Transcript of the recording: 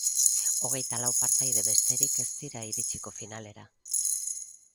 Hogeita lau partaide besterik ez dira iritsiko finalera.